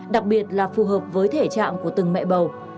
đặc biệt là phù hợp với thể trạng của từng mẹ bầu